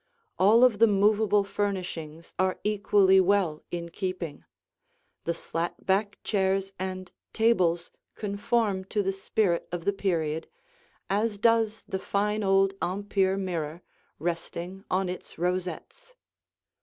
All of the movable furnishings are equally well in keeping; the slat back chairs and tables conform to the spirit of the period, as does the fine old Empire mirror, resting on its rosettes.